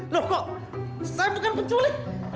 loh kok saya bukan penculik